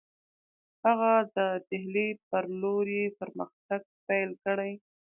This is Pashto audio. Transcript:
هغه د ډهلي پر لور یې پرمختګ پیل کړی.